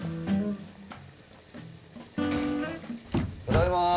ただいま。